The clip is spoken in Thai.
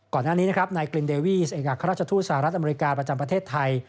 ก่อนหน้านี้นะครับนายกลินเดวีสเอกอัครราชทูตสหรัฐอเมริกาประจำประเทศไทย